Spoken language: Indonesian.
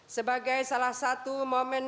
sebagai salah satu momen